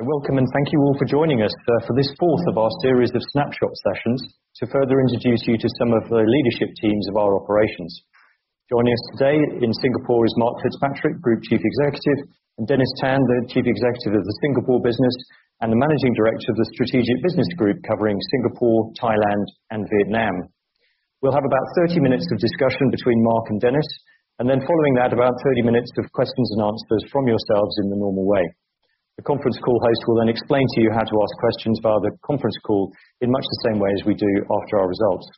Welcome, and thank you all for joining us for this fourth of our series of snapshot sessions to further introduce you to some of the leadership teams of our operations. Joining us today in Singapore is Mark FitzPatrick, Group Chief Executive, and Dennis Tan, the Chief Executive of the Singapore business and the Managing Director of the Strategic Business Group covering Singapore, Thailand, and Vietnam. We'll have about 30 minutes of discussion between Mark and Dennis, and then following that, about 30 minutes of questions and answers from yourselves in the normal way. The conference call host will then explain to you how to ask questions via the confe rence call in much the same way as we do after our results.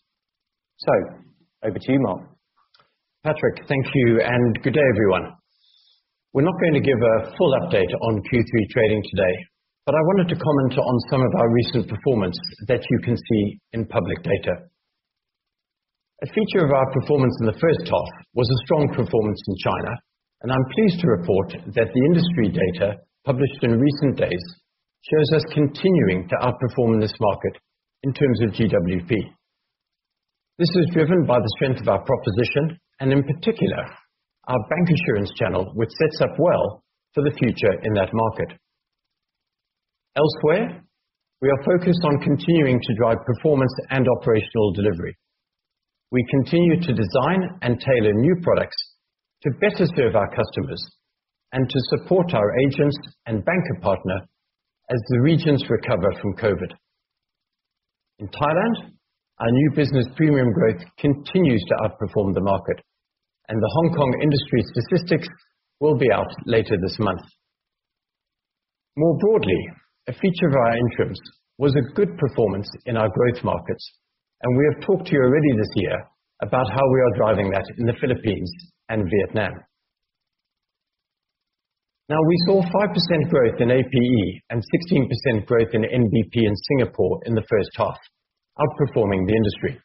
Over to you, Mark. Patrick, thank you, and good day, everyone. We're not going to give a full update on Q3 trading today, but I wanted to comment on some of our recent performance that you can see in public data. A feature of our performance in the first half was a strong performance in China, and I'm pleased to report that the industry data published in recent days shows us continuing to outperform this market in terms of GWP. This is driven by the strength of our proposition and in particular, our bancassurance channel, which sets up well for the future in that market. Elsewhere, we are focused on continuing to drive performance and operational delivery. We continue to design and tailor new products to better serve our customers and to support our agents and bank partners as the regions recover from COVID. In Thailand, our new business premium growth continues to outperform the market. The Hong Kong industry statistics will be out later this month. More broadly, a feature of our interest was a good performance in our growth markets, and we have talked to you already this year about how we are driving that in the Philippines and Vietnam. Now, we saw 5% growth in APE and 16% growth in NBP in Singapore in the first half, outperforming the industry.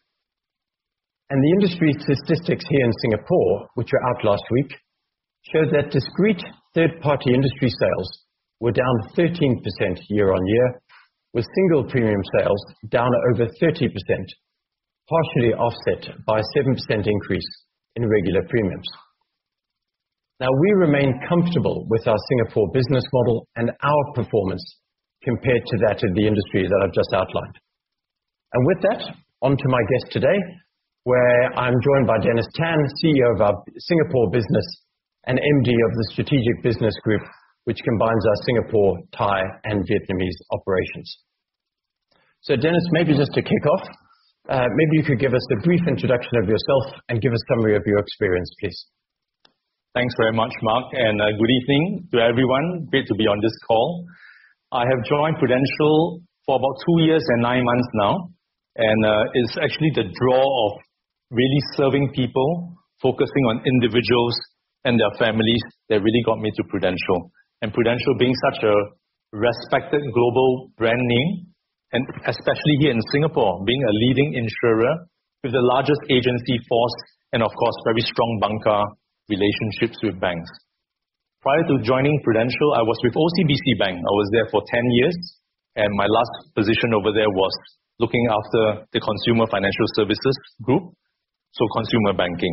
The industry statistics here in Singapore, which were out last week, show that discrete third-party industry sales were down 13% year-on-year, with single premium sales down over 30%, partially offset by a 7% increase in regular premiums. Now, we remain comfortable with our Singapore business model and our performance compared to that of the industry that I've just outlined. With that, on to my guest today, where I'm joined by Dennis Tan, CEO of our Singapore business and MD of the Strategic Business Group, which combines our Singapore, Thai, and Vietnamese operations. Dennis, maybe just to kick off, maybe you could give us a brief introduction of yourself and give a summary of your experience, please. Thanks very much, Mark, and good evening to everyone. Great to be on this call. I have joined Prudential for about two years and nine months now, and it's actually the draw of really serving people, focusing on individuals and their families that really got me to Prudential. Prudential being such a respected global brand name, and especially here in Singapore, being a leading insurer with the largest agency force and of course, very strong banker relationships with banks. Prior to joining Prudential, I was with OCBC Bank. I was there for 10 years, and my last position over there was looking after the Consumer Financial Services Group, so Consumer Banking.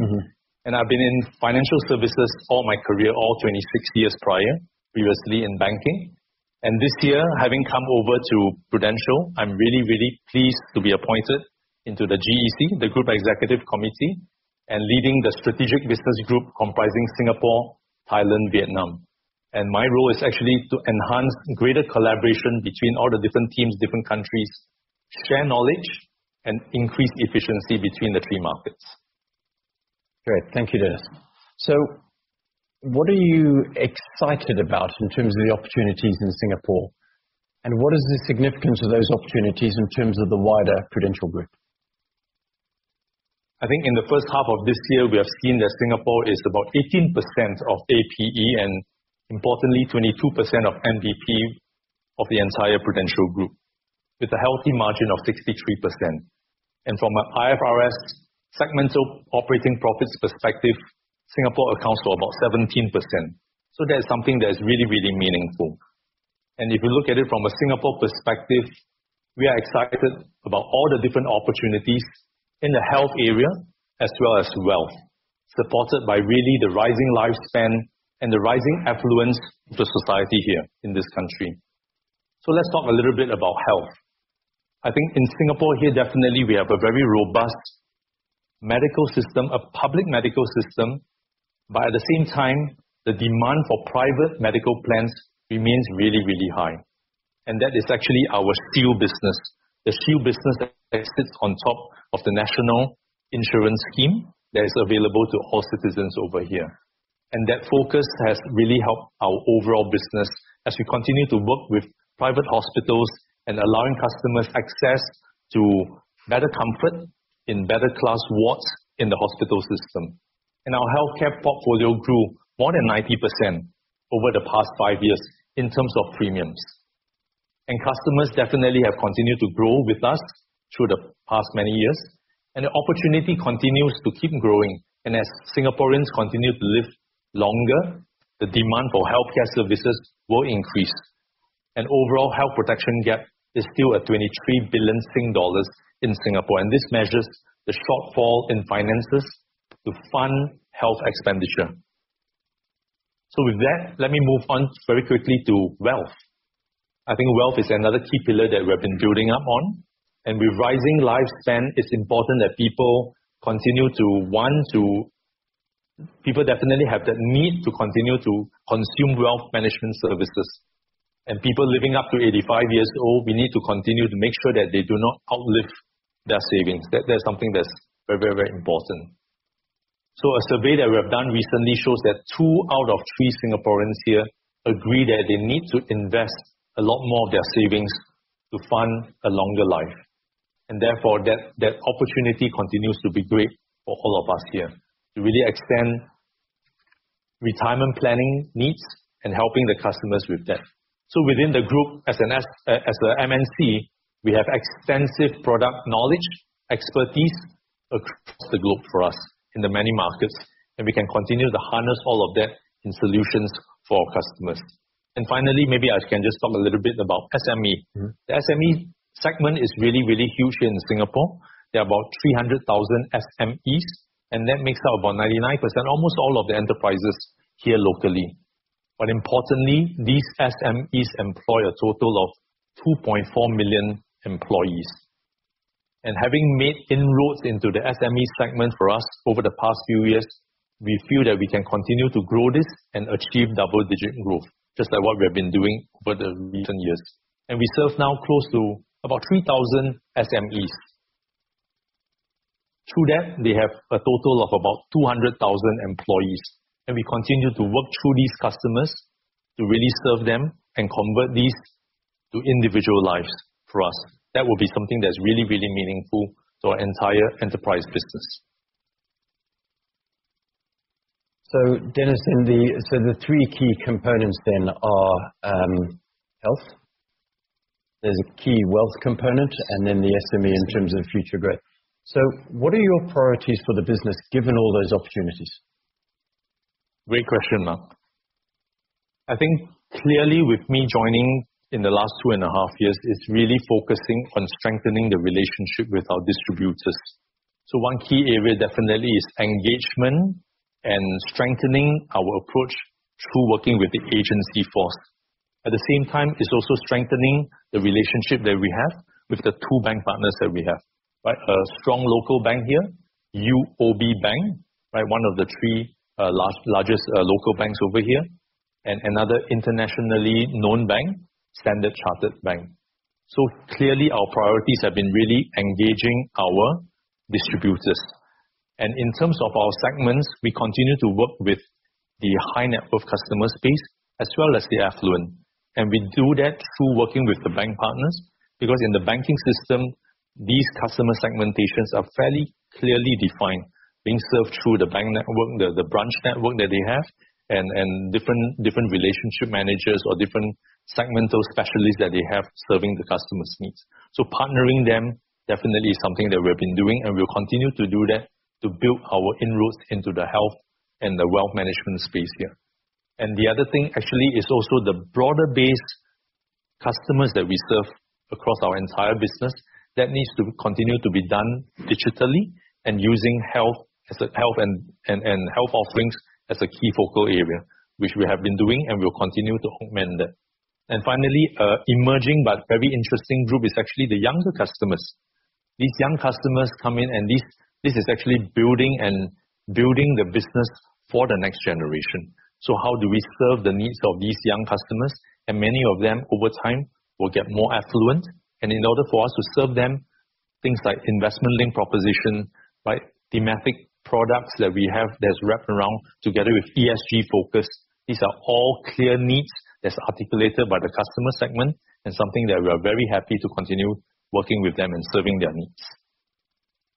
I've been in financial services all my career, all 26 years prior, previously in banking. This year, having come over to Prudential, I'm really, really pleased to be appointed into the GEC, the Group Executive Committee, and leading the Strategic Business Group comprising Singapore, Thailand, Vietnam. My role is actually to enhance greater collaboration between all the different teams, different countries, share knowledge, and increase efficiency between the three markets. Great. Thank you, Dennis. What are you excited about in terms of the opportunities in Singapore? What is the significance of those opportunities in terms of the wider Prudential Group? I think in the first half of this year, we have seen that Singapore is about 18% of APE, and importantly, 22% of NBP of the entire Prudential Group, with a healthy margin of 63%. From an IFRS segmental operating profits perspective, Singapore accounts for about 17%. That is something that is really, really meaningful. If you look at it from a Singapore perspective, we are excited about all the different opportunities in the health area as well as wealth, supported by really the rising lifespan and the rising affluence of the society here in this country. Let's talk a little bit about health. I think in Singapore here, definitely we have a very robust medical system, a public medical system. But at the same time, the demand for private medical plans remains really, really high. That is actually our Shield business. The Shield business that sits on top of the national insurance scheme that is available to all citizens over here. That focus has really helped our overall business as we continue to work with private hospitals and allowing customers access to better comfort in better class wards in the hospital system. Our healthcare portfolio grew more than 90% over the past five years in terms of premiums. Customers definitely have continued to grow with us through the past many years, and the opportunity continues to keep growing. As Singaporeans continue to live longer, the demand for healthcare services will increase. Overall health protection gap is still at 23 billion dollars in Singapore, and this measures the shortfall in finances to fund health expenditure. With that, let me move on very quickly to wealth. I think wealth is another key pillar that we have been building up on, and with rising lifespan, it's important that people continue. People definitely have the need to continue to consume wealth management services. People living up to 85 years old, we need to continue to make sure that they do not outlive their savings. That's something that's very important. A survey that we have done recently shows that two out of three Singaporeans here agree that they need to invest a lot more of their savings to fund a longer life, and therefore that opportunity continues to be great for all of us here to really extend retirement planning needs and helping the customers with that. Within the Group, as a MNC, we have extensive product knowledge, expertise across the globe for use in the many markets, and we can continue to harness all of that in solutions for our customers. Finally, maybe I can just talk a little bit about SME. The SME segment is really, really huge here in Singapore. There are about 300,000 SMEs, and that makes up about 99%, almost all of the enterprises here locally. Importantly, these SMEs employ a total of 2.4 million employees. Having made inroads into the SME segment for us over the past few years, we feel that we can continue to grow this and achieve double-digit growth, just like what we have been doing for the recent years. We serve now close to about 3,000 SMEs. Through that, they have a total of about 200,000 employees, and we continue to work through these customers to really serve them and convert these to individual lives for us. That will be something that's really, really meaningful to our entire enterprise business. Dennis, the three key components then are health. There's a key wealth component and then the SME in terms of future growth. What are your priorities for the business, given all those opportunities? Great question, Mark. I think clearly with me joining in the last 2.5 years is really focusing on strengthening the relationship with our distributors. One key area definitely is engagement and strengthening our approach through working with the agency force. At the same time, it's also strengthening the relationship that we have with the two bank partners that we have, right? A strong local bank here, UOB Bank, right? One of the three largest local banks over here, and another internationally known bank, Standard Chartered Bank. Clearly our priorities have been really engaging our distributors. In terms of our segments, we continue to work with the high net worth customer space as well as the affluent. We do that through working with the bank partners, because in the banking system, these customer segmentations are fairly clearly defined, being served through the bank network, the branch network that they have, and different relationship managers or different segmental specialists that they have serving the customers' needs. Partnering them definitely is something that we have been doing, and we'll continue to do that to build our inroads into the health and the wealth management space here. The other thing actually is also the broader base customers that we serve across our entire business. That needs to continue to be done digitally and using health offerings as a key focal area, which we have been doing and will continue to augment that. Finally, emerging but very interesting Group is actually the younger customers. These young customers come in and this is actually building the business for the next generation. How do we serve the needs of these young customers? Many of them over time will get more affluent. In order for us to serve them, things like investment-linked proposition, right, thematic products that we have that's wrapped around together with ESG focus. These are all clear needs that's articulated by the customer segment and something that we are very happy to continue working with them and serving their needs.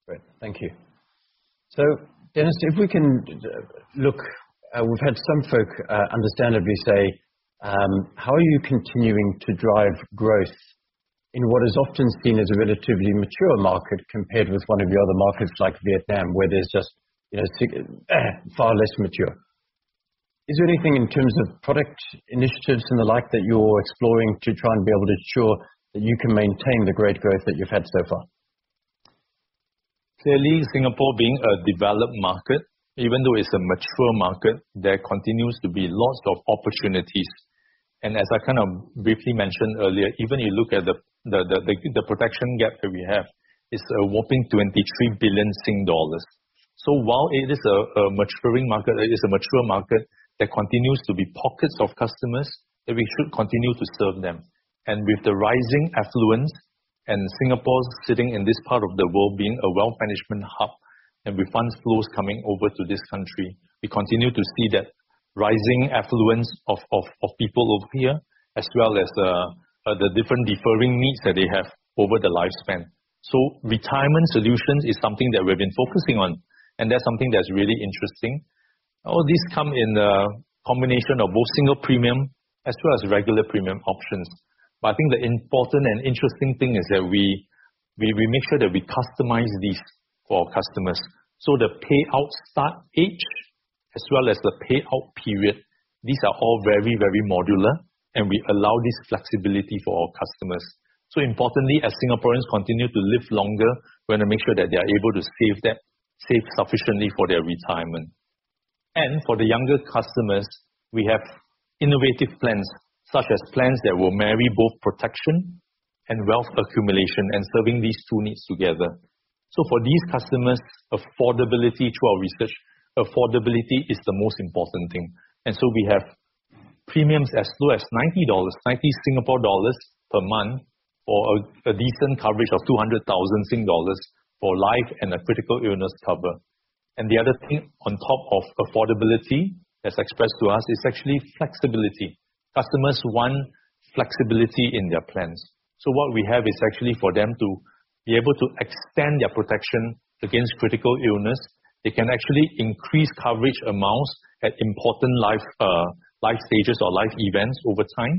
Great. Thank you. Dennis, if we can look, we've had some folk understandably say how are you continuing to drive growth in what is often seen as a relatively mature market compared with one of your other markets, like Vietnam, where there's just you know far less mature. Is there anything in terms of product initiatives and the like that you're exploring to try and be able to ensure that you can maintain the great growth that you've had so far? Clearly, Singapore being a developed market, even though it's a mature market, there continues to be lots of opportunities. As I kind of briefly mentioned earlier, even you look at the protection gap that we have, it's a whopping 23 billion Sing dollars. While it is a maturing market, it is a mature market, there continues to be pockets of customers that we should continue to serve them. With the rising affluence, and Singapore sitting in this part of the world being a wealth management hub, and with fund flows coming over to this country, we continue to see that rising affluence of people over here, as well as the different differing needs that they have over their lifespan. Retirement solutions is something that we've been focusing on, and that's something that's really interesting. All these come in a combination of both single premium as well as regular premium options. I think the important and interesting thing is that we make sure that we customize these for our customers. The payout start age, as well as the payout period. These are all very, very modular, and we allow this flexibility for our customers. Importantly, as Singaporeans continue to live longer, we're going to make sure that they are able to save sufficiently for their retirement. For the younger customers, we have innovative plans, such as plans that will marry both protection and wealth accumulation and serving these two needs together. For these customers, affordability through our research, affordability is the most important thing. We have premiums as low as 90 dollars per month for a decent coverage of 200,000 Sing dollars for life and a critical illness cover. The other thing on top of affordability that's expressed to us is actually flexibility. Customers want flexibility in their plans. What we have is actually for them to be able to extend their protection against critical illness. They can actually increase coverage amounts at important life stages or life events over time.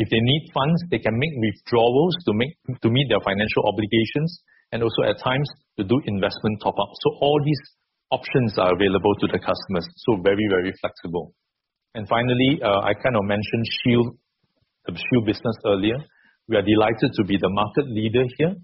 If they need funds, they can make withdrawals to meet their financial obligations, and also at times to do investment top-ups. All these options are available to the customers, so very, very flexible. Finally, I kind of mentioned Shield business earlier. We are delighted to be the market leader here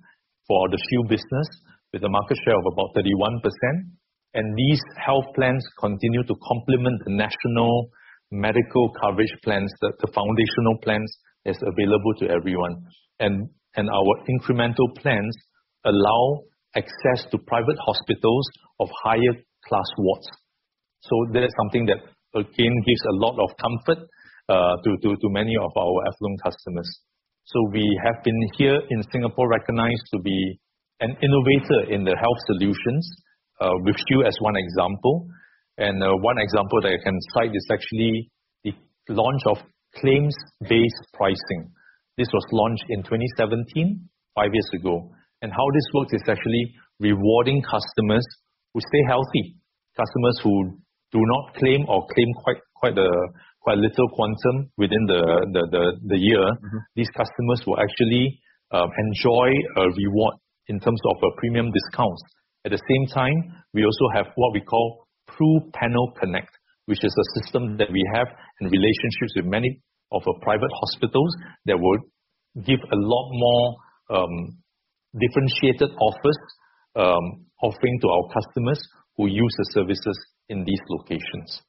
for the Shield business with a market share of about 31%. These health plans continue to complement the national medical coverage plans, the foundational plans that's available to everyone. Our incremental plans allow access to private hospitals of higher class wards. That is something that again gives a lot of comfort to many of our affluent customers. We have been here in Singapore recognized to be an innovator in the health solutions with Shield as one example. One example that I can cite is actually the launch of claims-based pricing. This was launched in 2017, five years ago. How this works is actually rewarding customers who stay healthy, customers who do not claim or claim quite a little quantum within the year. Mm-hmm. These customers will actually enjoy a reward in terms of a premium discount. At the same time, we also have what we call through PRUPanel Connect, which is a system that we have and relationships with many of our private hospitals that will give a lot more differentiated offers offering to our customers who use the services in these locations.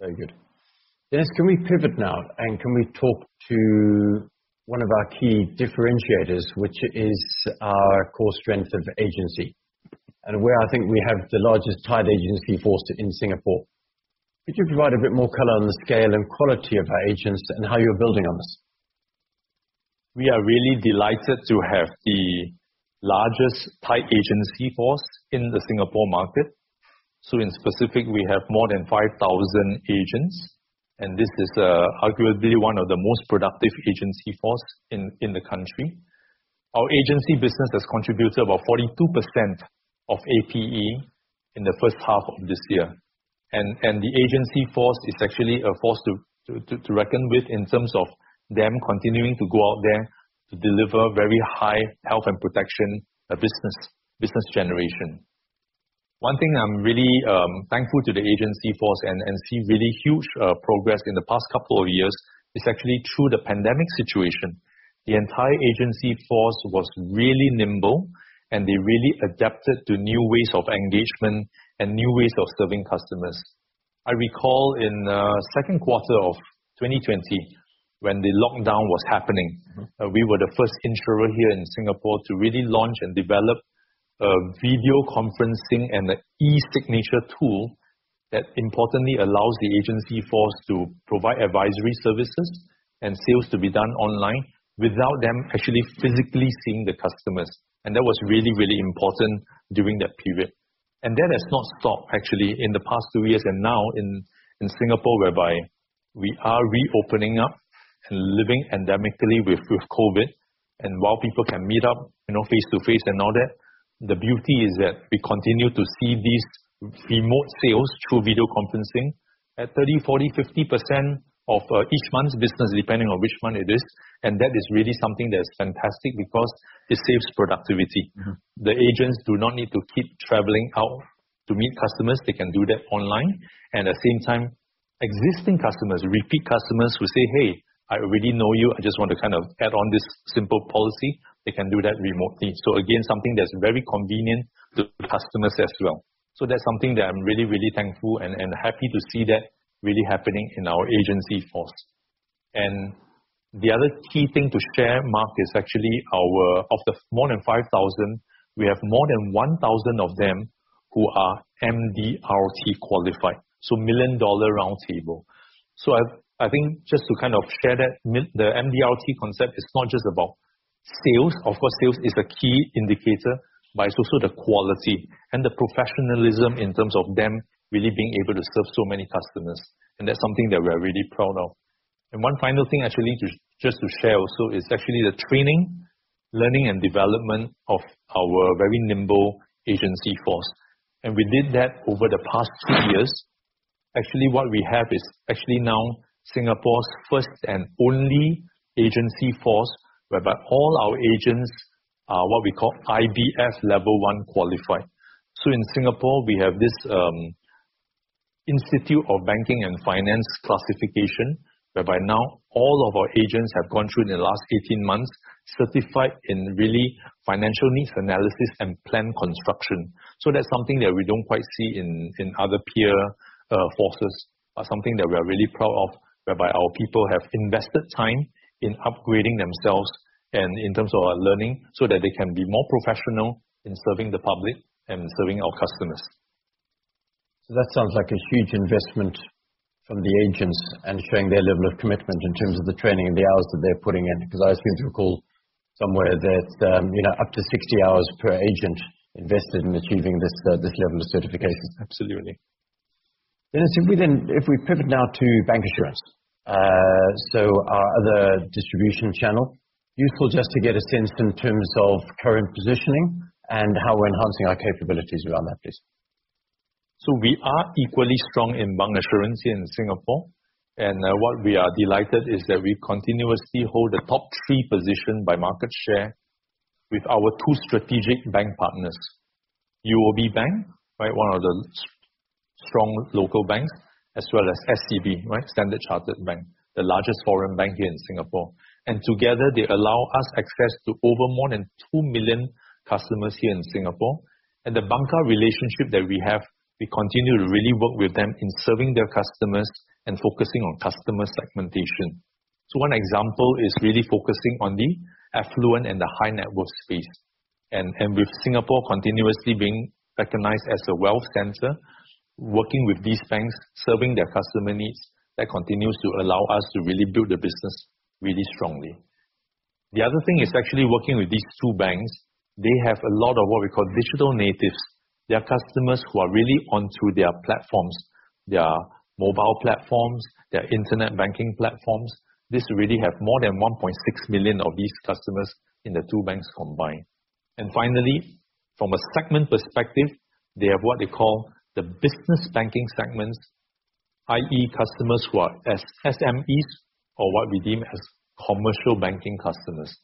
Very good. Dennis, can we pivot now, and can we talk to one of our key differentiators, which is our core strength of agency? Where I think we have the largest tied agency force in Singapore. Could you provide a bit more color on the scale and quality of our agents and how you're building on this? We are really delighted to have the largest tied agency force in the Singapore market. In specific, we have more than 5,000 agents, and this is arguably one of the most productive agency force in the country. Our agency business has contributed about 42% of APE in the first half of this year. The agency force is actually a force to reckon with in terms of them continuing to go out there to deliver very high health and protection business generation. One thing I'm really thankful to the agency force and see really huge progress in the past couple of years is actually through the pandemic situation. The entire agency force was really nimble, and they really adapted to new ways of engagement and new ways of serving customers. I recall in second quarter of 2020 when the lockdown was happening. We were the first insurer here in Singapore to really launch and develop video conferencing and the e-signature tool that importantly allows the agency force to provide advisory services and sales to be done online without them actually physically seeing the customers. That was really important during that period. That has not stopped actually in the past two years and now in Singapore, whereby we are reopening up and living endemically with COVID. While people can meet up, you know, face-to-face and all that, the beauty is that we continue to see these remote sales through video conferencing at 30%, 40%, 50% of each month's business, depending on which month it is. That is really something that is fantastic because it saves productivity. Mm-hmm. The agents do not need to keep traveling out to meet customers, they can do that online. At the same time, existing customers, repeat customers who say, "Hey, I already know you. I just want to kind of add on this simple policy." They can do that remotely. Again, something that's very convenient to customers as well. That's something that I'm really, really thankful and happy to see that really happening in our agency force. The other key thing to share, Mark, is actually our of the more than 5,000, we have more than 1,000 of them who are MDRT qualified, so Million Dollar Round Table. I think just to kind of share that the MDRT concept is not just about sales. Of course, sales is a key indicator, but it's also the quality and the professionalism in terms of them really being able to serve so many customers. That's something that we're really proud of. One final thing actually to, just to share also is actually the training, learning, and development of our very nimble agency force. Actually, what we have is actually now Singapore's first and only agency force, whereby all our agents are what we call IBF Level 1 qualified. In Singapore, we have this Institute of Banking and Finance classification, whereby now all of our agents have gone through in the last 18 months, certified in really financial needs analysis and plan construction. That's something that we don't quite see in other peer forces, but something that we are really proud of, whereby our people have invested time in upgrading themselves and in terms of learning so that they can be more professional in serving the public and serving our customers. That sounds like a huge investment from the agents and showing their level of commitment in terms of the training and the hours that they're putting in, 'cause I seem to recall somewhere that, you know, up to 60 hours per agent invested in achieving this level of certification. Absolutely. Dennis, if we pivot now to bancassurance. Our other distribution channel. Useful just to get a sense in terms of current positioning and how we're enhancing our capabilities around that, please. We are equally strong in bancassurance here in Singapore. What we are delighted is that we continuously hold the top three position by market share with our two strategic bank partners. UOB Bank, right? One of the strong local banks, as well as SCB, right? Standard Chartered Bank, the largest foreign bank here in Singapore. Together, they allow us access to over more than 2 million customers here in Singapore. The bancassurance relationship that we have, we continue to really work with them in serving their customers and focusing on customer segmentation. One example is really focusing on the affluent and the high-net-worth space. With Singapore continuously being recognized as a wealth center, working with these banks, serving their customer needs, that continues to allow us to really build the business really strongly. The other thing is actually working with these two banks. They have a lot of what we call digital natives. They are customers who are really onto their platforms, their mobile platforms, their internet banking platforms. They really have more than 1.6 million of these customers in the two banks combined. Finally, from a segment perspective, they have what they call the business banking segments, i.e. customers who are SMEs or what we deem as commercial banking customers.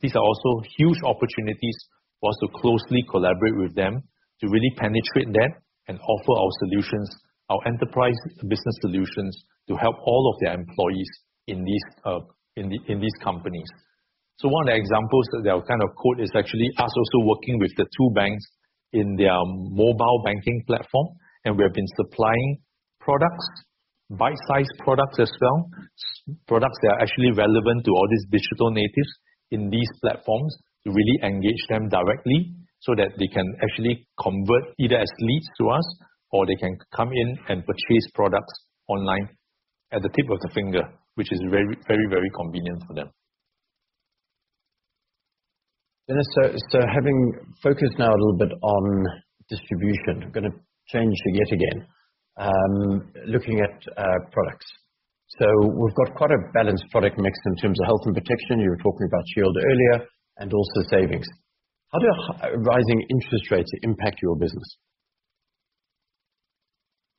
These are also huge opportunities for us to closely collaborate with them to really penetrate that and offer our solutions, our enterprise business solutions, to help all of their employees in these companies. One of the examples that I'll kind of quote is actually us also working with the two banks in their mobile banking platform, and we have been supplying products, bite-sized products as well, SME products that are actually relevant to all these digital natives in these platforms to really engage them directly so that they can actually convert either as leads to us or they can come in and purchase products online at the tip of the finger, which is very convenient for them. Dennis, having focused now a little bit on distribution, I'm going to change yet again. Looking at products. We've got quite a balanced product mix in terms of health and protection. You were talking about Shield earlier and also savings. How do rising interest rates impact your business?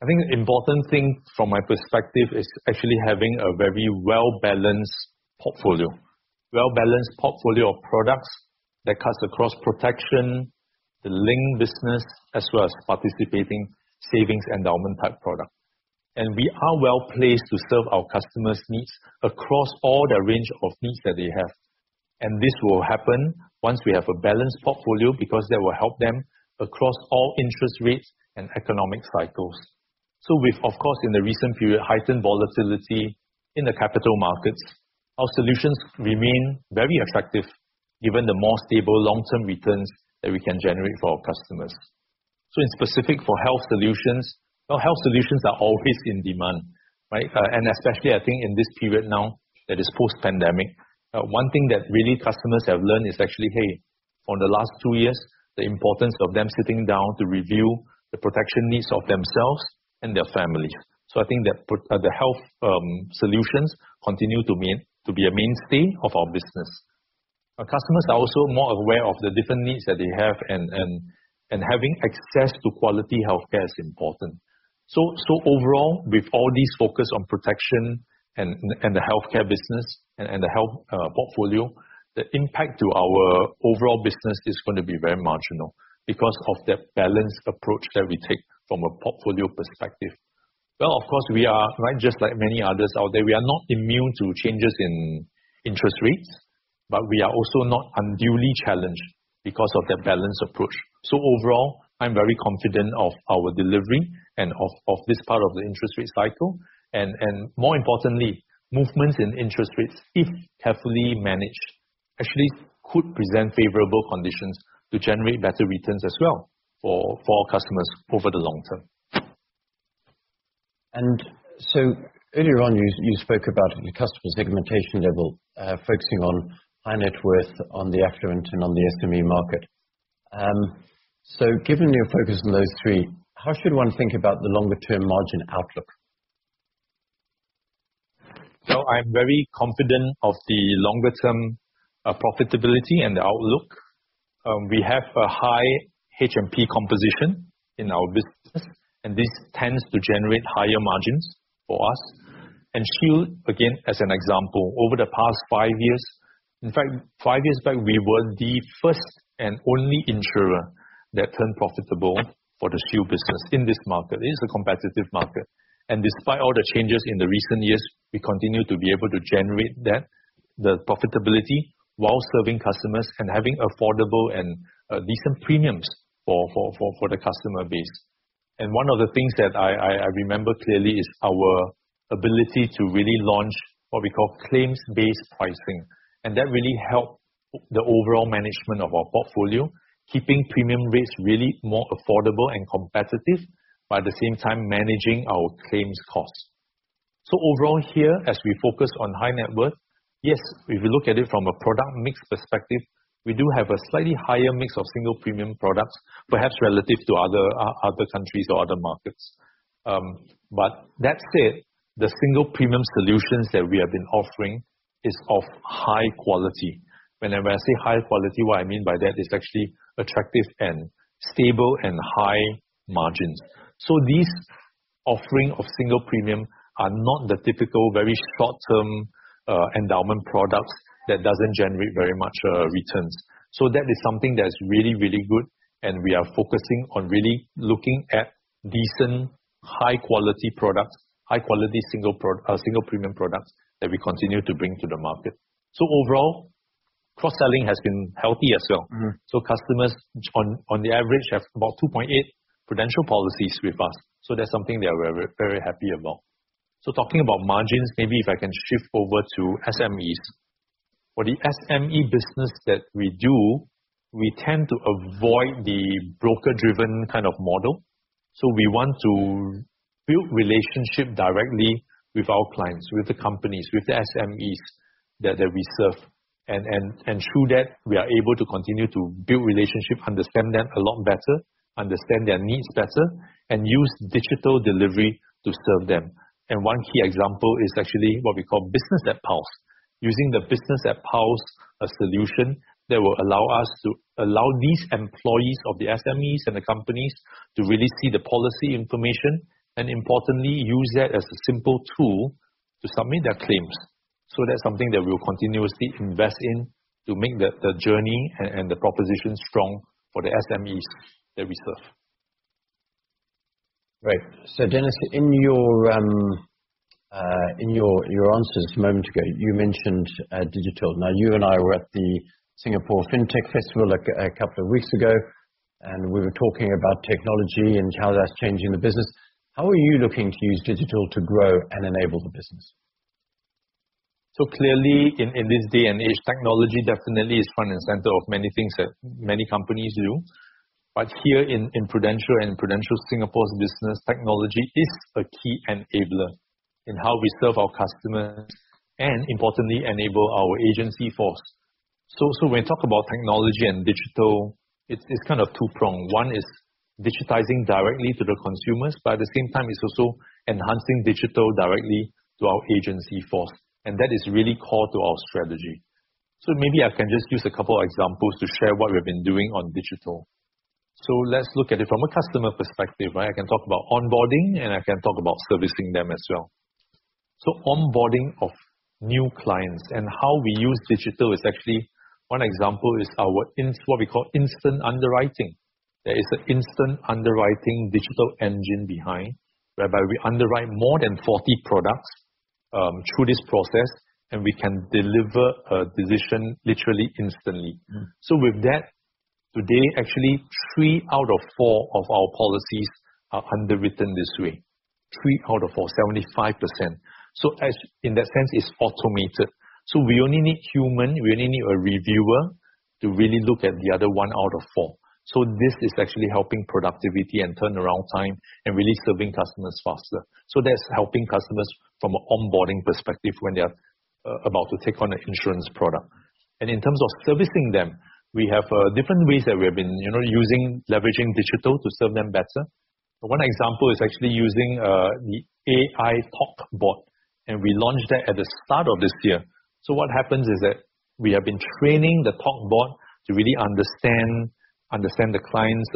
I think the important thing from my perspective is actually having a very well-balanced portfolio. Well-balanced portfolio of products that cuts across protection, the link business, as well as participating savings endowment type product. We are well placed to serve our customers' needs across all the range of needs that they have. This will happen once we have a balanced portfolio because that will help them across all interest rates and economic cycles. With, of course, in the recent period, heightened volatility in the capital markets, our solutions remain very attractive, given the more stable long-term returns that we can generate for our customers. Specifically for health solutions, well, health solutions are always in demand, right? Especially I think in this period now that is post-pandemic. One thing that really customers have learned is actually, hey, for the last two years, the importance of them sitting down to review the protection needs of themselves and their family. I think that the health solutions continue to be a mainstay of our business. Our customers are also more aware of the different needs that they have and having access to quality healthcare is important. Overall, with all this focus on protection and the healthcare business and the health portfolio, the impact to our overall business is going to be very marginal because of that balanced approach that we take from a portfolio perspective. Well, of course, we are, right, just like many others out there, we are not immune to changes in interest rates, but we are also not unduly challenged because of that balanced approach. Overall, I'm very confident of our delivery and of this part of the interest rate cycle. More importantly, movements in interest rates, if carefully managed, actually could present favorable conditions to generate better returns as well for our customers over the long term. Earlier on you spoke about the customer segmentation level, focusing on high-net-worth, on the affluent and on the SME market. Given your focus on those three, how should one think about the longer term margin outlook? I'm very confident of the longer term profitability and the outlook. We have a high H&P composition in our business, and this tends to generate higher margins for us. Shield, again, as an example, over the past five years. In fact, five years back, we were the first and only insurer that turned profitable for the Shield business in this market. It is a competitive market. Despite all the changes in the recent years, we continue to be able to generate that profitability while serving customers and having affordable and decent premiums for the customer base. One of the things that I remember clearly is our ability to really launch what we call claims-based pricing. That really helped the overall management of our portfolio, keeping premium rates really more affordable and competitive, but at the same time managing our claims costs. Overall here, as we focus on high net worth, yes, if you look at it from a product mix perspective, we do have a slightly higher mix of single premium products, perhaps relative to other countries or other markets. That said, the single premium solutions that we have been offering is of high quality. Whenever I say high quality, what I mean by that is actually attractive and stable and high margins. These offering of single premium are not the typical, very short term, endowment products that doesn't generate very much, returns. That is something that is really, really good, and we are focusing on really looking at decent high quality products, high quality single premium products that we continue to bring to the market. Overall, cross-selling has been healthy as well. Mm-hmm. Customers on the average have about 2.8 Prudential policies with us. That's something that we're very happy about. Talking about margins, maybe if I can shift over to SMEs. For the SME business that we do, we tend to avoid the broker-driven kind of model. We want to build relationship directly with our clients, with the companies, with the SMEs that we serve. Through that, we are able to continue to build relationship, understand them a lot better, understand their needs better, and use digital delivery to serve them. One key example is actually what we call Business@Pulse. Using the Business@Pulse, a solution that will allow us to these employees of the SMEs and the companies to really see the policy information, and importantly, use that as a simple tool to submit their claims. That's something that we'll continuously invest in to make the journey and the proposition strong for the SMEs that we serve. Great. Dennis, in your answers a moment ago, you mentioned digital. Now, you and I were at the Singapore FinTech Festival like a couple of weeks ago, and we were talking about technology and how that's changing the business. How are you looking to use digital to grow and enable the business? Clearly, in this day and age, technology definitely is front and center of many things that many companies do. Here in Prudential and Prudential Singapore's business, technology is a key enabler in how we serve our customers and importantly, enable our agency force. When we talk about technology and digital, it's kind of two-pronged. One is digitizing directly to the consumers, but at the same time it's also enhancing digital directly to our agency force. That is really core to our strategy. Maybe I can just use a couple of examples to share what we've been doing on digital. Let's look at it from a customer perspective, right? I can talk about onboarding, and I can talk about servicing them as well. Onboarding of new clients and how we use digital is actually one example is our instant underwriting. There is an instant underwriting digital engine behind, whereby we underwrite more than 40 products through this process, and we can deliver a decision literally instantly. With that, today, actually three out of four of our policies are underwritten this way. Three out of four, 75%. In that sense, it's automated. We only need a reviewer to really look at the other one out of four. This is actually helping productivity and turnaround time and really serving customers faster. That's helping customers from an onboarding perspective when they are about to take on an insurance product. In terms of servicing them, we have different ways that we have been, you know, using leveraging digital to serve them better. One example is actually using the AI talk bot, and we launched that at the start of this year. What happens is that we have been training the talk bot to really understand the client's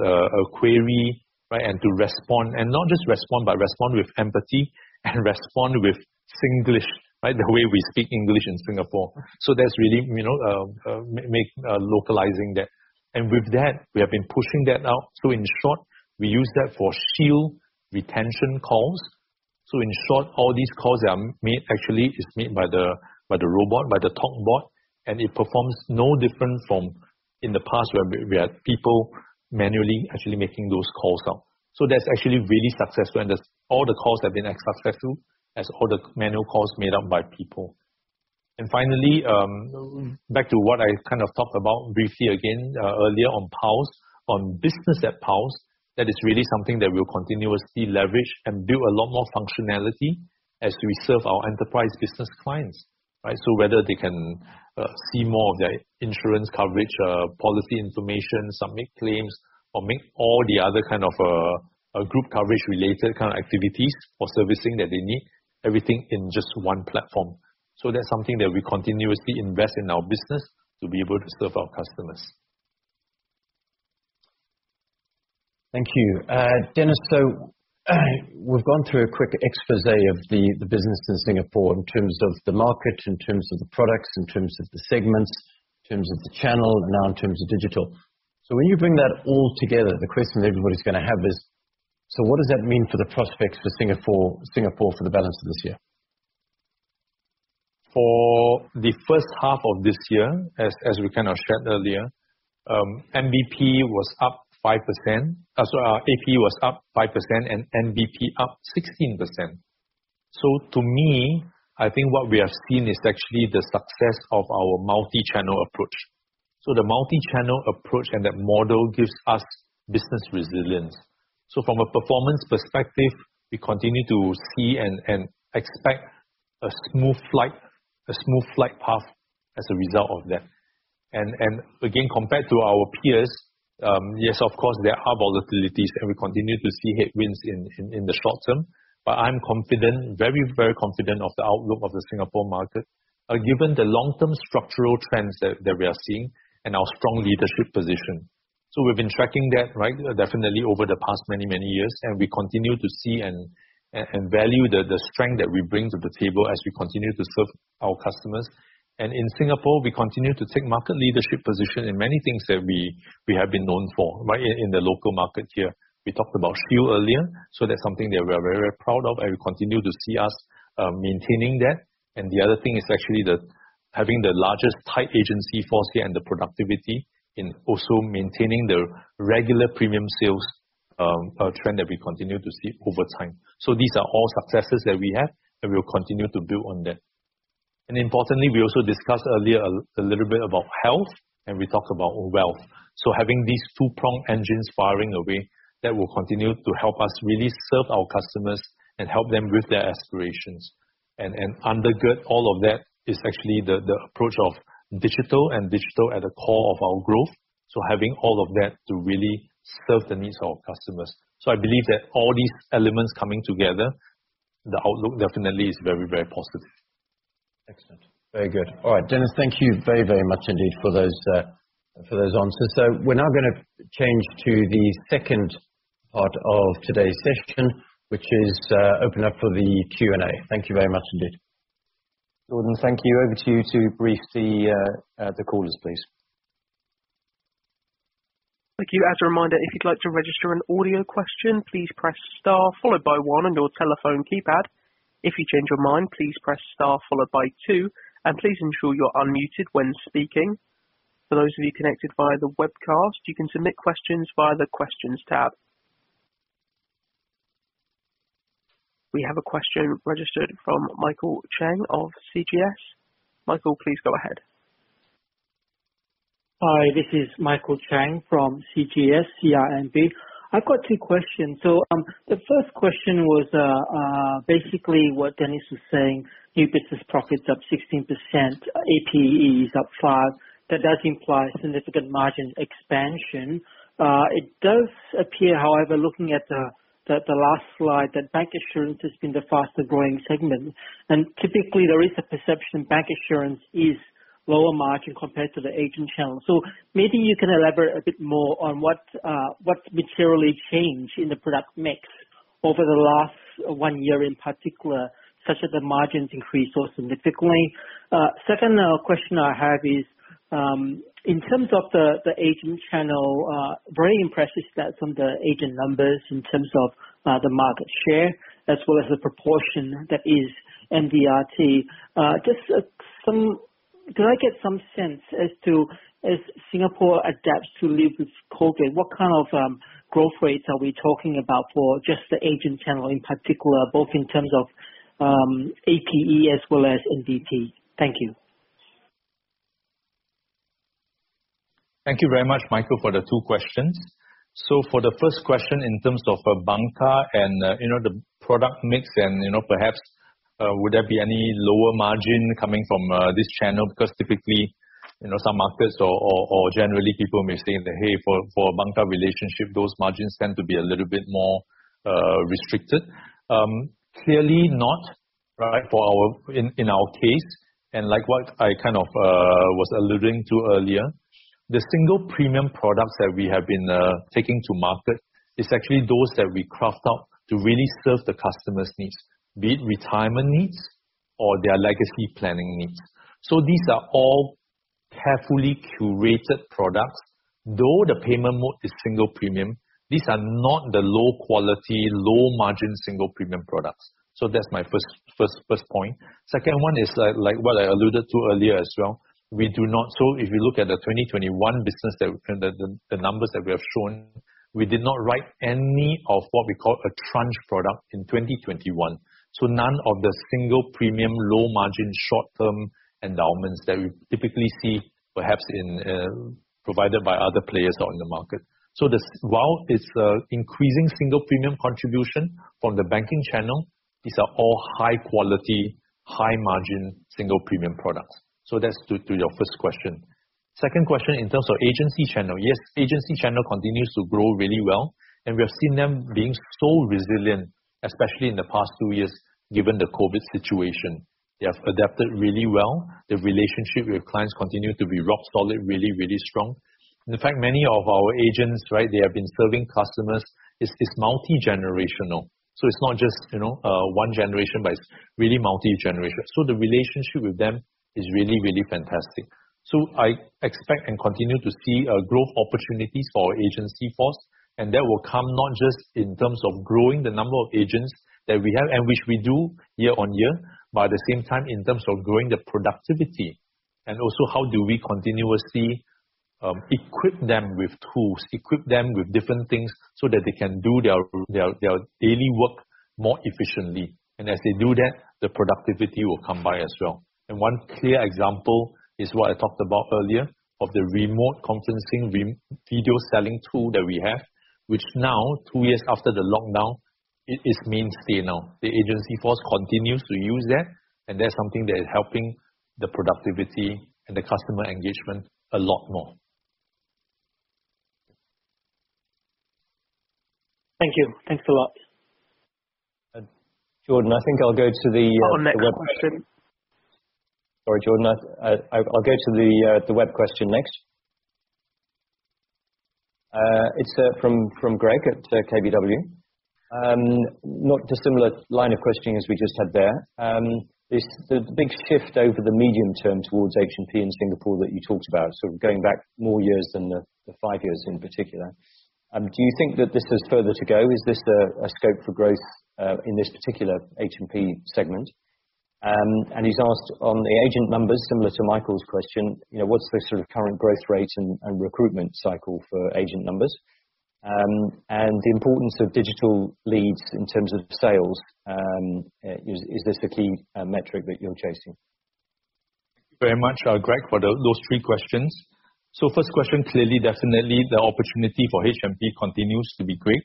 query, right? And to respond. Not just respond, but respond with empathy and respond with Singlish, right? The way we speak English in Singapore. That's really making localizing that. With that, we have been pushing that out. In short, we use that for Shield retention calls. In short, all these calls are made, actually it's made by the robot, by the talk bot, and it performs no different from in the past where we had people manually actually making those calls out. That's actually really successful, and that's all the calls have been as successful as all the manual calls made up by people. Finally, back to what I kind of talked about briefly again, earlier on Pulse. Business@Pulse, that is really something that we'll continuously leverage and build a lot more functionality as we serve our enterprise business clients. Right? Whether they can see more of their insurance coverage, policy information, submit claims or make all the other kind of a Group coverage related kind of activities or servicing that they need, everything in just one platform. That's something that we continuously invest in our business to be able to serve our customers. Thank you. Dennis, we've gone through a quick exposé of the business in Singapore in terms of the market, in terms of the products, in terms of the segments, in terms of the channel, and now in terms of digital. When you bring that all together, the question that everybody's going to have is: What does that mean for the prospects for Singapore for the balance of this year? For the first half of this year, as we kind of shared earlier, our APE was up 5% and NBP up 16%. To me, I think what we have seen is actually the success of our multi-channel approach. The multi-channel approach and that model gives us business resilience. From a performance perspective, we continue to see and expect a smooth flight path as a result of that. Again, compared to our peers, yes, of course, there are volatilities, and we continue to see headwinds in the short term, but I'm confident, very confident of the outlook of the Singapore market, given the long-term structural trends that we are seeing and our strong leadership position. We've been tracking that, right, definitely over the past many, many years, and we continue to see and value the strength that we bring to the table as we continue to serve our customers. In Singapore, we continue to take market leadership position in many things that we have been known for, right, in the local market here. We talked about Shield earlier, so that's something that we are very proud of, and we continue to see us maintaining that. The other thing is actually having the largest tied agency force here and the productivity in also maintaining the regular premium sales trend that we continue to see over time. These are all successes that we have, and we'll continue to build on that. Importantly, we also discussed earlier a little bit about health, and we talked about wealth. Having these two-prong engines firing away, that will continue to help us really serve our customers and help them with their aspirations. Undergird all of that is actually the approach of digital and digital at the core of our growth. Having all of that to really serve the needs of our customers. I believe that all these elements coming together, the outlook definitely is very, very positive. Excellent. Very good. All right, Dennis, thank you very, very much indeed for those answers. We're now going to change to the second part of today's session, which is open up for the Q&A. Thank you very much indeed. Jordan, thank you. Over to you to brief the callers, please. Thank you. As a reminder, if you'd like to register an audio question, please press star followed by one on your telephone keypad. If you change your mind, please press star followed by two, and please ensure you're unmuted when speaking. For those of you connected via the webcast, you can submit questions via the questions tab. We have a question registered from Michael Chang of CGS-CIMB Securities. Michael, please go ahead. Hi, this is Michael Chang from CGS-CIMB Securities. I've got two questions. The first question was, basically what Dennis was saying, new business profits up 16%, APE is up 5%. That does imply significant margin expansion. It does appear, however, looking at the last slide, that bank insurance has been the fastest growing segment. Typically there is a perception bank insurance is lower margin compared to the agent channel. Maybe you can elaborate a bit more on what's materially changed in the product mix over the last one year in particular, such as the margins increase also significantly. Second, question I have is, in terms of the agent channel, very impressive stats on the agent numbers in terms of, the market share as well as the proportion that is MDRT. Could I get some sense as to, as Singapore adapts to live with COVID, what kind of growth rates are we talking about for just the agent channel in particular, both in terms of APE as well as NBP? Thank you. Thank you very much, Michael, for the two questions. For the first question in terms of, bancassurance and, you know, the product mix and, you know, perhaps, would there be any lower margin coming from, this channel? Because typically, you know, some markets or generally people may think that, "Hey, for bancassurance relationship, those margins tend to be a little bit more, restricted." Clearly not, right, for our in our case, and like what I kind of, was alluding to earlier. The single premium products that we have been, taking to market is actually those that we craft out to really serve the customer's needs, be it retirement needs or their legacy planning needs. These are all carefully curated products. Though the payment mode is single premium, these are not the low quality, low margin single premium products. That's my first point. Second one is like what I alluded to earlier as well. If you look at the 2021 business that the numbers that we have shown, we did not write any of what we call a tranche product in 2021. None of the single premium low margin short-term endowments that you typically see perhaps provided by other players out in the market. This, while it's increasing single premium contribution from the banking channel, these are all high quality, high margin single premium products. That's to your first question. Second question in terms of agency channel. Yes, agency channel continues to grow really well, and we have seen them being so resilient, especially in the past two years, given the COVID situation. They have adapted really well. The relationship with clients continue to be rock solid, really, really strong. In fact, many of our agents, right, they have been serving customers. It's multi-generational, so it's not just, you know, one generation, but it's really multi-generational. The relationship with them is really, really fantastic. I expect and continue to see growth opportunities for our agency force, and that will come not just in terms of growing the number of agents that we have and which we do year on year, but at the same time in terms of growing the productivity and also how do we continuously equip them with tools, equip them with different things so that they can do their daily work more efficiently. As they do that, the productivity will come by as well. One clear example is what I talked about earlier of the remote conferencing video selling tool that we have, which now two years after the lockdown, it is mainstay now. The agency force continues to use that, and that's something that is helping the productivity and the customer engagement a lot more. Thank you. Thanks a lot. Jordan, I think I'll go to the web question. Our next question. Sorry, Jordan. I'll go to the web question next. It's from Greig at KBW. Not dissimilar line of questioning as we just had there. The big shift over the medium term towards H&P in Singapore that you talked about, sort of going back more years than the five years in particular, do you think that this has further to go? Is this a scope for growth in this particular H&P segment? He's asked on the agent numbers similar to Michael's question, you know, what's the sort of current growth rate and recruitment cycle for agent numbers? The importance of digital leads in terms of sales, is this the key metric that you're chasing? Very much, Greig, for those three questions. First question, clearly, definitely the opportunity for H&P continues to be great.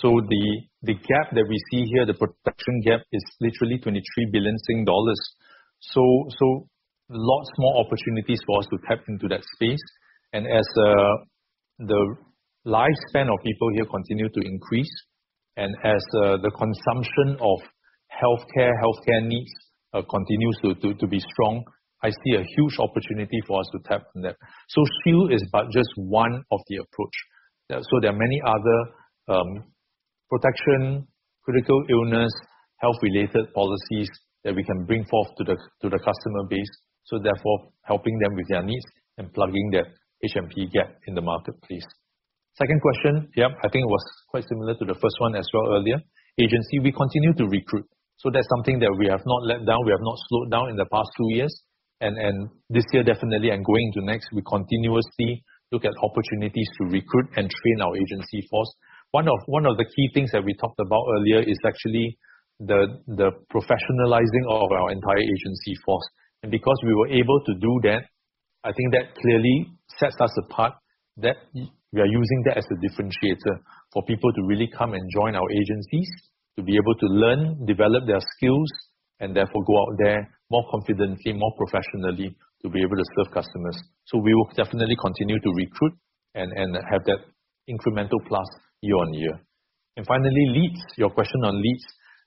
The gap that we see here, the protection gap, is literally 23 billion Sing dollars. Lots more opportunities for us to tap into that space. As the lifespan of people here continue to increase and as the consumption of healthcare needs continues to be strong, I see a huge opportunity for us to tap from that. Shield is but just one of the approach. There are many other protection, critical illness, health-related policies that we can bring forth to the customer base, so therefore helping them with their needs and plugging that H&P gap in the marketplace. Second question. Yeah, I think it was quite similar to the first one as well earlier. Agency, we continue to recruit, so that's something that we have not let down. We have not slowed down in the past two years. This year definitely and going to next, we continuously look at opportunities to recruit and train our agency force. One of the key things that we talked about earlier is actually the professionalizing of our entire agency force. Because we were able to do that, I think that clearly sets us apart, that we are using that as a differentiator for people to really come and join our agencies, to be able to learn, develop their skills, and therefore go out there more confidently, more professionally to be able to serve customers. We will definitely continue to recruit and have that incremental plus year-on-year. Finally, leads, your question on leads.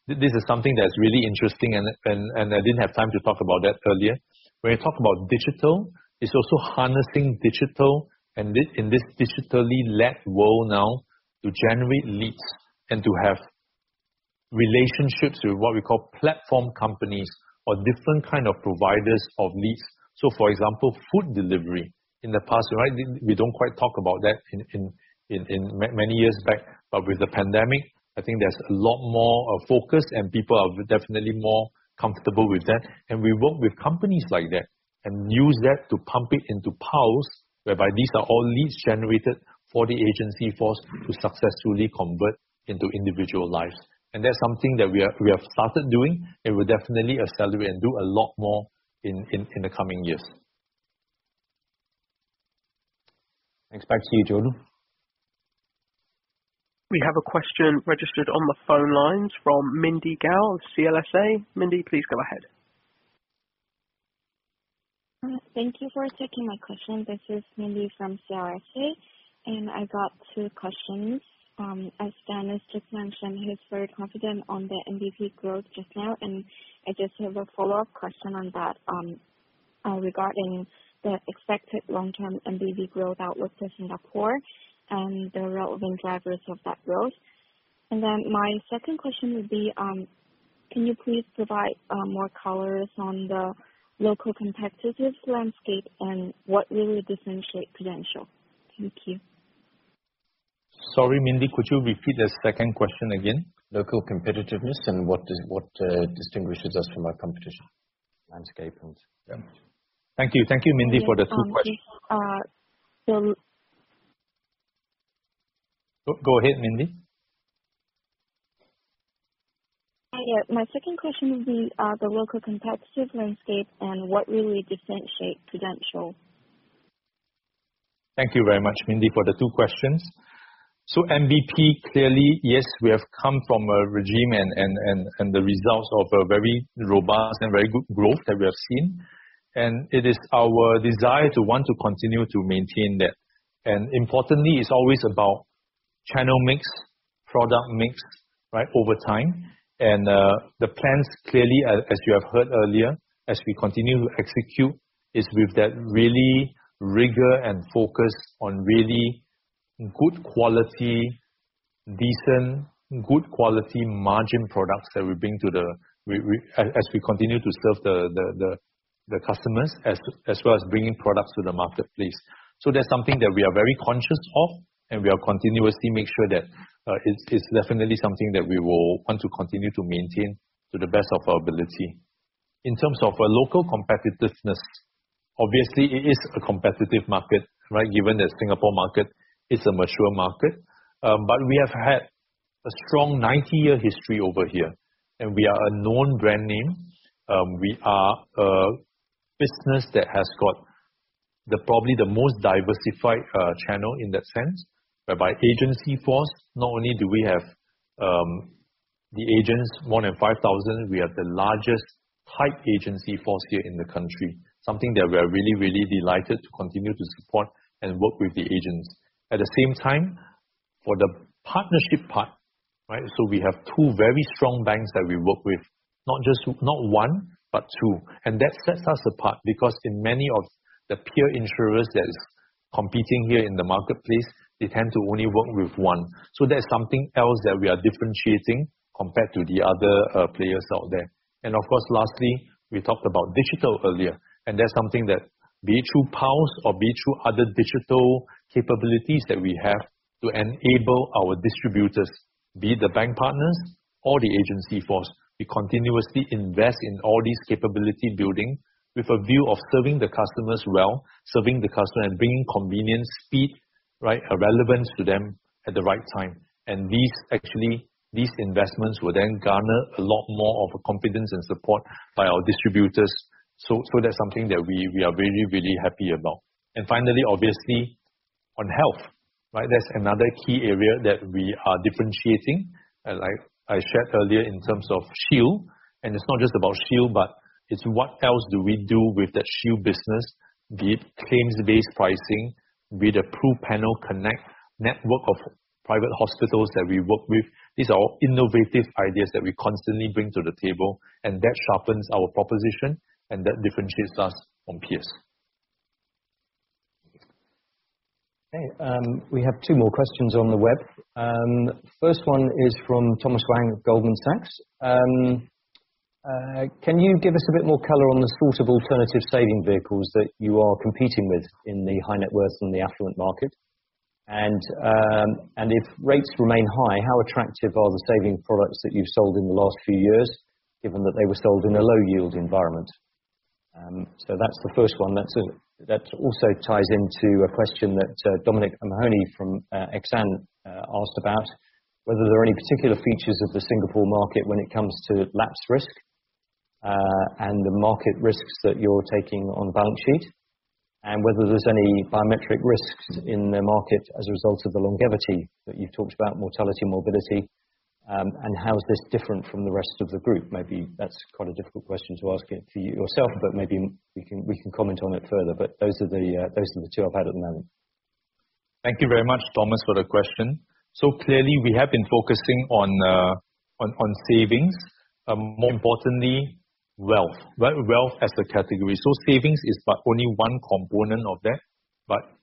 This is something that's really interesting and I didn't have time to talk about that earlier. When we talk about digital, it's also harnessing digital and in this digitally led world now to generate leads and to have relationships with what we call platform companies or different kind of providers of leads. For example, food delivery. In the past, right, we don't quite talk about that in many years back. With the pandemic, I think there's a lot more focus and people are definitely more comfortable with that. We work with companies like that and use that to pump it into Pulse, whereby these are all leads generated for the agency force to successfully convert into individual lives. That's something that we have started doing and will definitely accelerate and do a lot more in the coming years. Thanks back to you, Jordan. We have a question registered on the phone lines from Mindy Gao of CLSA. Mindy, please go ahead. Thank you for taking my question. This is Mindy from CLSA, and I got two questions. As Dennis just mentioned, he's very confident on the NBP growth just now, and I just have a follow-up question on that, regarding the expected long-term NBP growth outlook for Singapore and the relevant drivers of that growth. Then my second question would be, can you please provide more colors on the local competitiveness landscape and what really differentiate Prudential? Thank you. Sorry, Mindy, could you repeat the second question again? Local competitiveness and what distinguishes us from our competition. Thank you. Thank you, Mindy, for the two questions. Yes. Go ahead, Mindy. My second question would be, the local competitive landscape and what really differentiate Prudential? Thank you very much, Mindy, for the two questions. NBP, clearly, yes, we have come from a regime and the results of a very robust and very good growth that we have seen. It is our desire to want to continue to maintain that. Importantly, it's always about channel mix, product mix, right, over time. The plans clearly as you have heard earlier, as we continue to execute, is with that really rigor and focus on really good quality, decent, good quality margin products that we bring to the as we continue to serve the customers as well as bringing products to the marketplace. That's something that we are very conscious of and we are continuously make sure that, it's definitely something that we will want to continue to maintain to the best of our ability. In terms of a local competitiveness, obviously it is a competitive market, right? Given that Singapore market is a mature market. We have had a strong 90-year history over here, and we are a known brand name. We are a business that has got the probably the most diversified channel in that sense, whereby agency force, not only do we have the agents more than 5,000, we are the largest type agency force here in the country. Something that we are really delighted to continue to support and work with the agents. At the same time, for the partnership part, right? We have two very strong banks that we work with, not just one, but two. That sets us apart because in many of the peer insurers that's competing here in the marketplace, they tend to only work with one. That's something else that we are differentiating compared to the other players out there. Of course, lastly, we talked about digital earlier. That's something that be it through Pulse or be it through other digital capabilities that we have to enable our distributors, be it the bank partners or the agency force. We continuously invest in all these capability building with a view of serving the customers well, serving the customer and bringing convenience, speed, right, relevance to them at the right time. These actually investments will then garner a lot more of a confidence and support by our distributors. That's something that we are very, really happy about. Finally, obviously on health, right? That's another key area that we are differentiating. Like I shared earlier in terms of Shield, and it's not just about Shield, but it's what else do we do with that Shield business, be it claims-based pricing, be it PRUPanel Connect network of private hospitals that we work with. These are all innovative ideas that we constantly bring to the table, and that sharpens our proposition and that differentiates us from peers. Okay. We have two more questions on the web. First one is from Thomas Wang of Goldman Sachs. Can you give us a bit more color on the sort of alternative saving vehicles that you are competing with in the high net worth and the affluent market? And if rates remain high, how attractive are the saving products that you've sold in the last few years, given that they were sold in a low yield environment? That's the first one. That also ties into a question that Dominic O'Mahony from Exane asked about whether there are any particular features of the Singapore market when it comes to lapse risk, and the market risks that you're taking on the balance sheet. Whether there's any biometric risks in the market as a result of the longevity that you've talked about, mortality, morbidity, and how is this different from the rest of the Group? Maybe that's quite a difficult question to ask yourself, but maybe we can comment on it further. Those are the two I've had at the moment. Thank you very much, Thomas, for the question. Clearly, we have been focusing on savings, more importantly, wealth. Right? Wealth as the category. Savings is but only one component of that.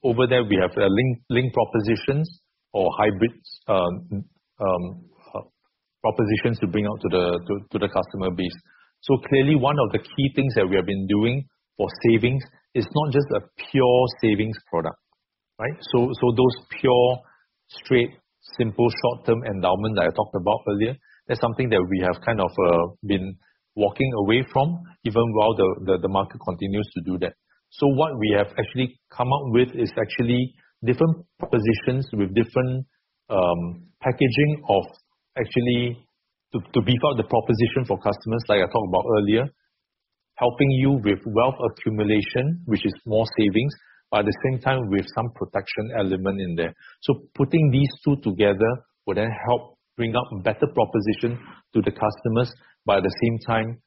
Over there we have investment-linked propositions or hybrid propositions to bring out to the customer base. Clearly, one of the key things that we have been doing for savings is not just a pure savings product. Right? Those pure, straight, simple, short-term endowment that I talked about earlier, that's something that we have kind of been walking away from, even while the market continues to do that. What we have actually come up with is actually different propositions with different packaging, actually, to beef up the proposition for customers like I talked about earlier. Helping you with wealth accumulation, which is more savings, but at the same time with some protection element in there. Putting these two together will then help bring out better proposition to the customers, but at the same time,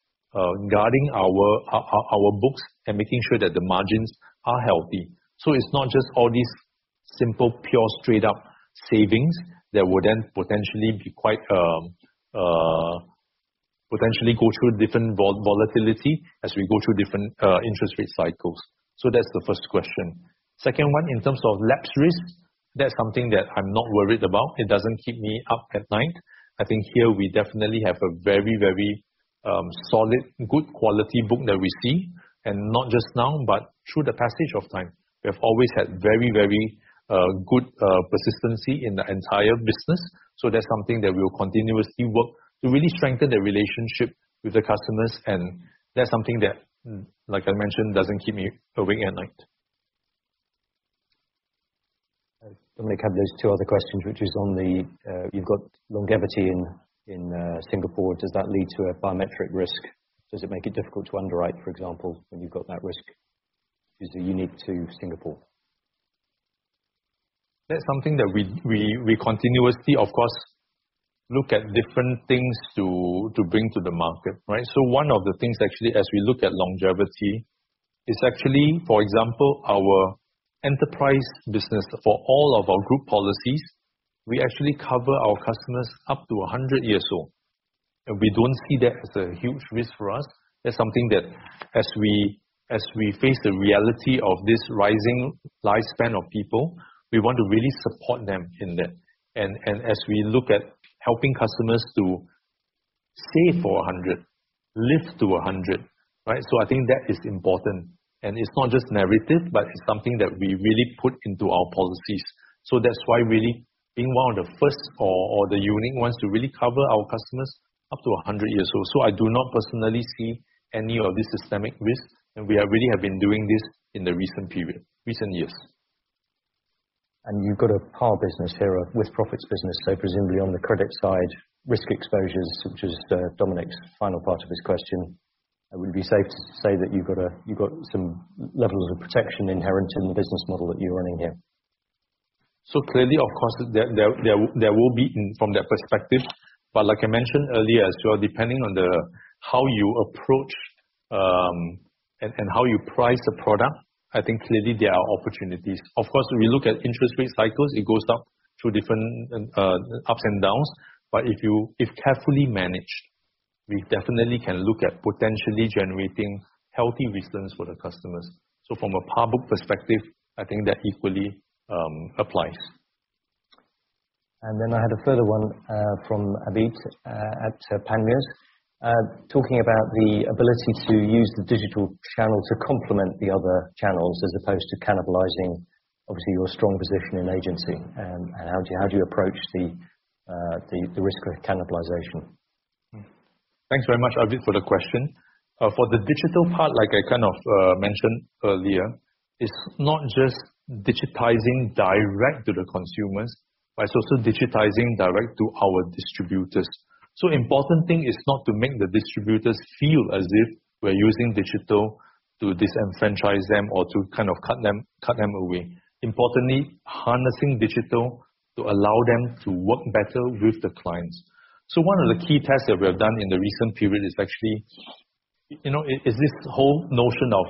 guarding our books and making sure that the margins are healthy. It's not just all these simple, pure, straight-up savings that would then potentially be quite potentially go through different volatility as we go through different interest rate cycles. That's the first question. Second one, in terms of lapse risk, that's something that I'm not worried about. It doesn't keep me up at night. I think here we definitely have a very solid, good quality book that we see, and not just now, but through the passage of time. We have always had very good persistency in the entire business. That's something that we will continuously work to really strengthen the relationship with the customers, and that's something that, like I mentioned, doesn't keep me awake at night. Dominic had those other two questions, which is on the, you've got longevity in Singapore, does that lead to a biometric risk? Does it make it difficult to underwrite, for example, when you've got that risk? Is it unique to Singapore? That's something that we continuously, of course, look at different things to bring to the market, right? One of the things actually as we look at longevity is actually, for example, our enterprise business for all of our Group policies. We actually cover our customers up to 100 years old, and we don't see that as a huge risk for us. That's something that as we face the reality of this rising lifespan of people, we want to really support them in that. As we look at helping customers to save for 100, live to 100, right? I think that is important. It's not just narrative, but it's something that we really put into our policies. That's why really being one of the first or the unique ones to really cover our customers up to 100 years old. I do not personally see any of this systemic risk, and we really have been doing this in the recent period, recent years. You've got a par business here, a with-profits business, so presumably on the credit side, risk exposures, which is Dominic's final part of his question, would it be safe to say that you've got some levels of protection inherent in the business model that you're running here? Clearly, of course, there will be from that perspective, but like I mentioned earlier as well, depending on how you approach and how you price the product, I think clearly there are opportunities. Of course, we look at interest rate cycles, it goes up through different ups and downs. If carefully managed, we definitely can look at potentially generating healthy returns for the customers. From a par book perspective, I think that equally applies. I had a further one from Abid at Panmure talking about the ability to use the digital channel to complement the other channels as opposed to cannibalizing obviously your strong position in agency. How do you approach the risk of cannibalization? Thanks very much, Abid, for the question. For the digital part, like I kind of mentioned earlier, it's not just digitizing direct to the consumers, but it's also digitizing direct to our distributors. Important thing is not to make the distributors feel as if we're using digital to disenfranchise them or to kind of cut them away. Importantly, harnessing digital to allow them to work better with the clients. One of the key tests that we have done in the recent period is actually, you know, is this whole notion of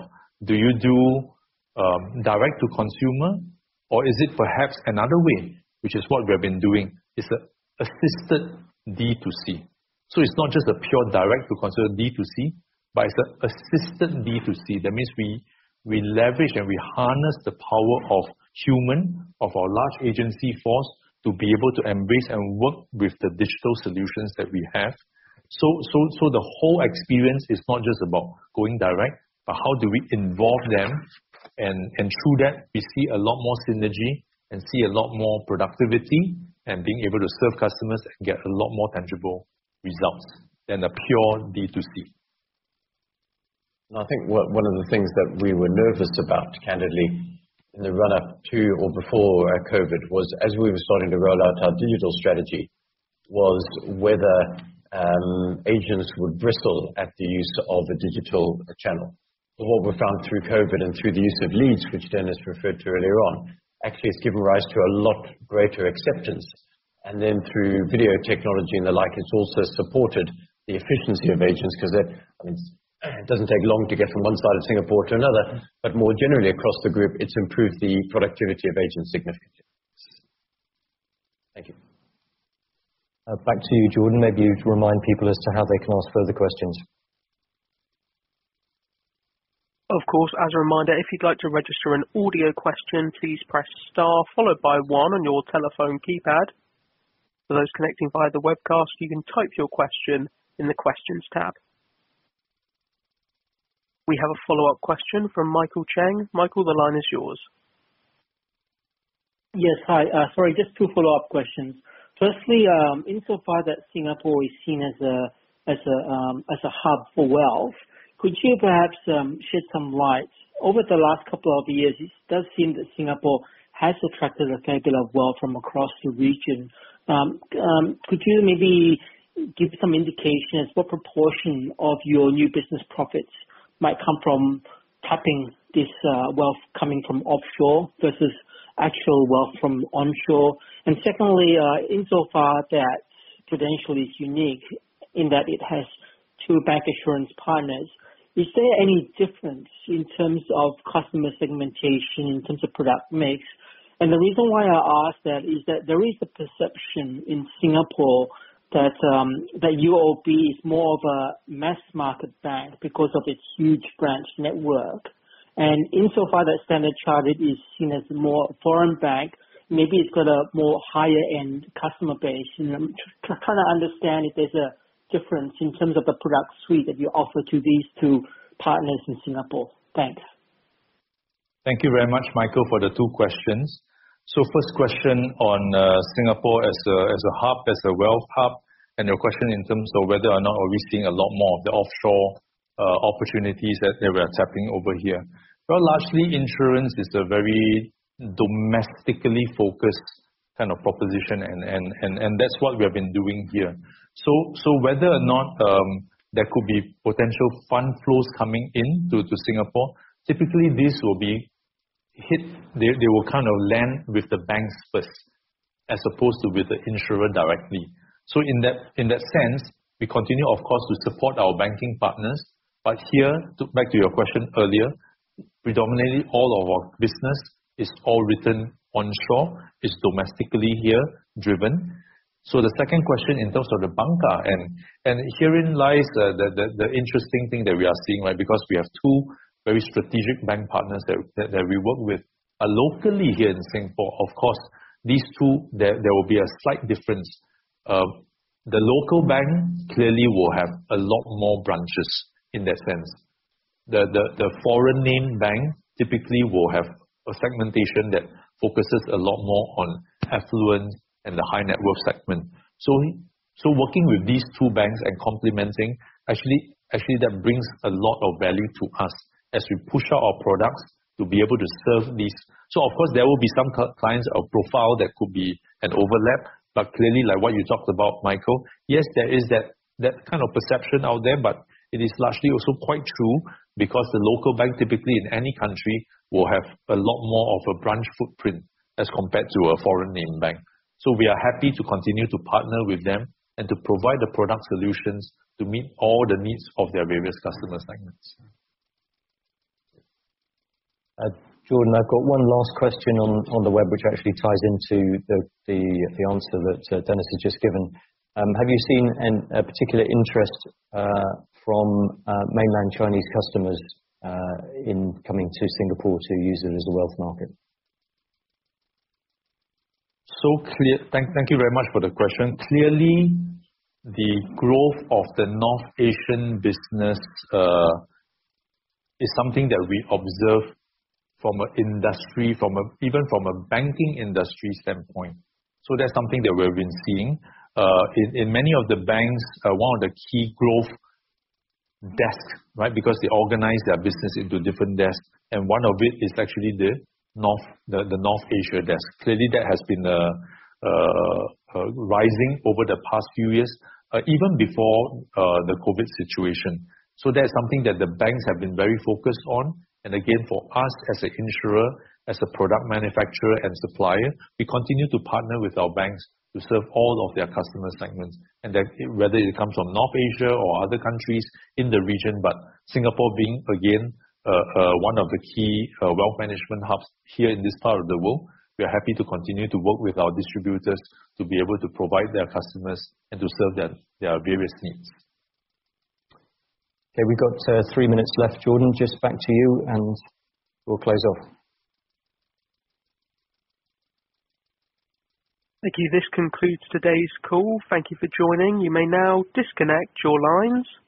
do you do direct to consumer or is it perhaps another way, which is what we have been doing, is an assisted D2C. It's not just a pure direct to consumer D2C, but it's an assisted D2C. That means we leverage and we harness the power of human, of our large agency force to be able to embrace and work with the digital solutions that we have. The whole experience is not just about going direct, but how do we involve them, and through that, we see a lot more synergy and see a lot more productivity, and being able to serve customers and get a lot more tangible results than a pure D2C. I think one of the things that we were nervous about, candidly, in the run-up to or before COVID was, as we were starting to roll out our digital strategy, was whether agents would bristle at the use of a digital channel. What we found through COVID and through the use of leads, which Dennis referred to earlier on, actually it's given rise to a lot greater acceptance. Through video technology and the like, it's also supported the efficiency of agents 'cause they're, I mean, it doesn't take long to get from one side of Singapore to another, but more generally across the Group, it's improved the productivity of agents significantly. Thank you. Back to you, Jordan, maybe to remind people as to how they can ask further questions. Of course. As a reminder, if you'd like to register an audio question, please press star followed by one on your telephone keypad. For those connecting via the webcast, you can type your question in the questions tab. We have a follow-up question from Michael Chang. Michael, the line is yours. Yes. Hi, sorry, just two follow-up questions. Firstly, insofar as Singapore is seen as a hub for wealth, could you perhaps shed some light? Over the last couple of years, it does seem that Singapore has attracted a fair bit of wealth from across the region. Could you maybe give some indication as to what proportion of your new business profits might come from tapping this wealth coming from offshore versus actual wealth from onshore? Secondly, insofar as Prudential is unique in that it has two bancassurance partners, is there any difference in terms of customer segmentation, in terms of product mix? The reason why I ask that is that there is a perception in Singapore that UOB is more of a mass-market bank because of its huge branch network. Insofar as Standard Chartered is seen as a more foreign bank, maybe it's got a more high-end customer base. Kinda understand if there's a difference in terms of the product suite that you offer to these two partners in Singapore. Thanks. Thank you very much, Michael, for the two questions. First question on Singapore as a hub, as a wealth hub, and your question in terms of whether or not we're seeing a lot more of the offshore opportunities that they were tapping over here. Well, largely insurance is a very domestically focused kind of proposition and that's what we have been doing here. Whether or not there could be potential fund flows coming in to Singapore, typically they will kind of land with the banks first as opposed to with the insurer directly. In that sense, we continue, of course, to support our banking partners. To go back to your question earlier, predominantly all of our business is all written onshore. It's domestically driven here. The second question in terms of the bancassurance and herein lies the interesting thing that we are seeing, right? Because we have two very strategic bank partners that we work with are locally here in Singapore. Of course, these two there will be a slight difference. The local bank clearly will have a lot more branches in that sense. The foreign bank typically will have a segmentation that focuses a lot more on affluent and the high net worth segment. Working with these two banks and complementing actually that brings a lot of value to us as we push out our products to be able to serve these. Of course there will be some clients or profile that could be an overlap. Clearly like what you talked about, Michael, yes, there is that kind of perception out there, but it is largely also quite true because the local bank, typically in any country, will have a lot more of a branch footprint as compared to a foreign name bank. So we are happy to continue to partner with them and to provide the product solutions to meet all the needs of their various customer segments. Jordan, I've got one last question on the web, which actually ties into the answer that Dennis has just given. Have you seen a particular interest from mainland Chinese customers in coming to Singapore to use it as a wealth market? Thank you very much for the question. Clearly, the growth of the North Asian business is something that we observe from an industry, even from a banking industry standpoint. That's something that we've been seeing. In many of the banks, one of the key growth desk, right? Because they organize their business into different desks. One of it is actually the North Asia desk. Clearly, that has been rising over the past few years, even before the COVID situation. That's something that the banks have been very focused on. Again, for us as an insurer, as a product manufacturer and supplier, we continue to partner with our banks to serve all of their customer segments. That whether it comes from North Asia or other countries in the region. Singapore being again one of the key wealth management hubs here in this part of the world, we are happy to continue to work with our distributors to be able to provide their customers and to serve their various needs. Okay, we've got three minutes left, Jordan, just back to you, and we'll close off. Thank you. This concludes today's call. Thank you for joining. You may now disconnect your lines.